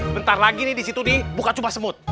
bentar lagi nih di situ dibuka cuma semut